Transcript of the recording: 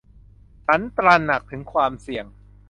ฉันตระหนักถึงความเสี่ยง